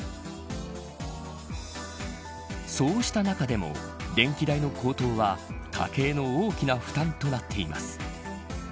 そうした中でも電気代の高騰は家計の大きな負担となっています。